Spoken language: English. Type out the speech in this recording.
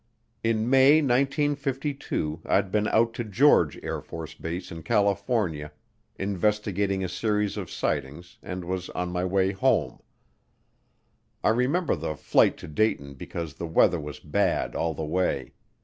In May 1952 I'd been out to George AFB in California investigating a series of sightings and was on my way home. I remember the flight to Dayton because the weather was bad all the way.